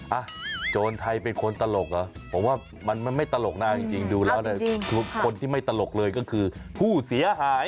โจรไทยเป็นคนตลกเหรอผมว่ามันไม่ตลกนะจริงดูแล้วเนี่ยทุกคนที่ไม่ตลกเลยก็คือผู้เสียหาย